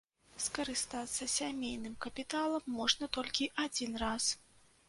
Скарыстацца сямейным капіталам можна толькі адзін раз.